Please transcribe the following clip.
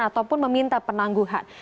ataupun meminta penangguhan